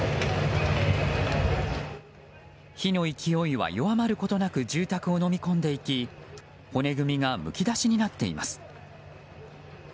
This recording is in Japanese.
火の勢いは弱まることなく住宅をのみ込んでいき骨組みがむき出しになっています。